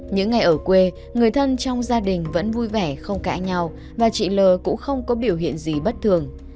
những ngày ở quê người thân trong gia đình vẫn vui vẻ không cãi nhau và chị l cũng không có biểu hiện gì bất thường